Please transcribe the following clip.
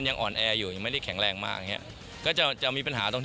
เห็นพี่เอกปกติเข้าป่าตลอด